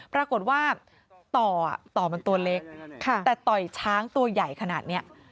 ปรากฏว่าต่อต่อมันตัวเล็กแต่ต่อยช้างตัวใหญ่ขนาดนี้